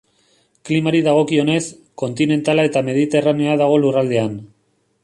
Klimari dagokionez, kontinentala eta mediterraneoa dago lurraldean.